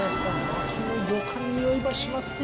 薪のよか匂いばしますね